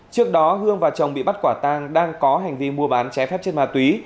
trước đó hương và chồng bị bắt quả tang đang có hành vi mua bán trái phép chất ma túy